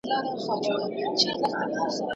شاه شجاع د انګریزانو ملګری دی.